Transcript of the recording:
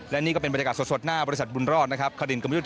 และนี่ก็เป็นบรรยากาศสดหน้าบริษัทบุญรอดนะครับ